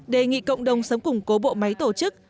đề nghị cộng đồng sống cùng cố bộ máy tổ chức